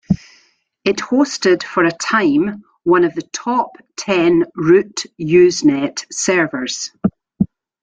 It hosted, for a time, one of the top ten root Usenet servers.